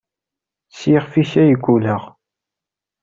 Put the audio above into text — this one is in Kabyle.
S yixef-ik ay gulleɣ.